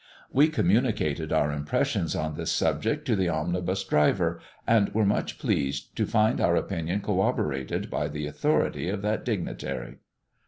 We communicated our impressions on this subject to the omnibus driver, and were much pleased to find our opinion corroborated by the authority of that dignitary.